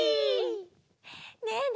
ねえねえ